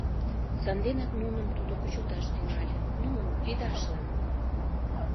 Санденак нуным тудо кучылташ тӱҥале... ну, пидашлан.